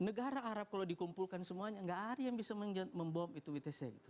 negara arab kalau dikumpulkan semuanya nggak ada yang bisa membom itu wtcn